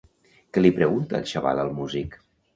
Què li pregunta el xaval al músic?